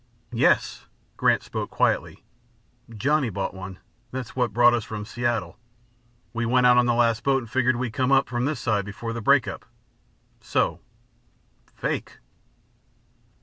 "Yes!" Grant spoke quietly. "Johnny bought one. That's what brought us from Seattle. We went out on the last boat and figured we'd come in from this side before the break up. So fake!"